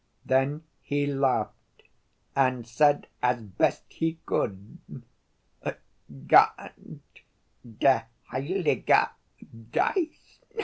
Then he laughed and said as best he could, 'Gott der heilige Geist.